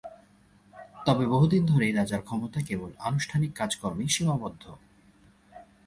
তবে বহুদিন ধরেই রাজার ক্ষমতা কেবল আনুষ্ঠানিক কাজ-কর্মেই সীমাবদ্ধ।